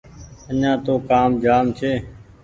آڃآن تو ڪآم جآم ڇي